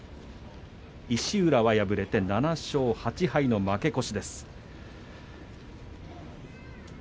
石浦は敗れて７勝８敗の負け越しです。